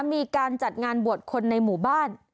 มีการจัดงานบวชคนในหมู่บ้าน